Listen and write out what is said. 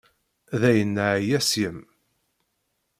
Dayen neɛya seg-m.